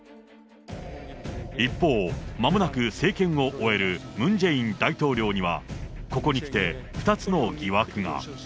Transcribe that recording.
一方、まもなく政権を終えるムン・ジェイン大統領には、ここにきて２つの疑惑が。